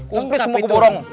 kupis semua keborong